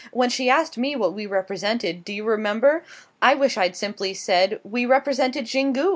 "When she asked me what we represented do you remember? I wish I'd simply said we represented Xingu!"